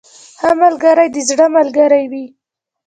• ښه ملګری د زړه ملګری وي.